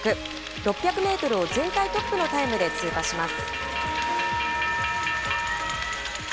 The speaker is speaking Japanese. ６００メートルを全体トップのタイムで通過します。